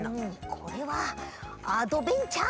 これはアドベンチャー！